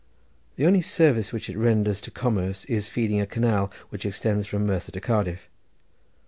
The only service which it renders to commerce is feeding a canal which extends from Merthyr to Cardiff.